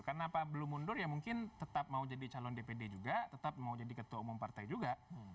karena apa belum mundur ya mungkin tetap mau jadi calon dpd juga tetap mau jadi ketua umum partai juga